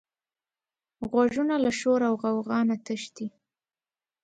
غوږونه له شور او غوغا نه تښتي